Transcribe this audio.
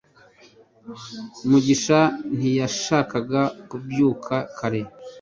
mugisha ntiyashakaga kubyuka kare